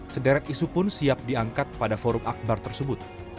sederet isu pun siap diangkat pada forum akbar tersebut